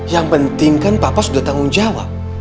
yang penting kan papa sudah tanggung jawab